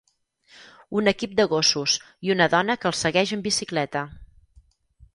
Un equip de gossos i una dona que els segueix amb bicicleta.